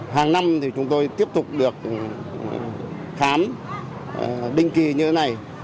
hàng năm thì chúng tôi tiếp tục được khám định kỳ như thế này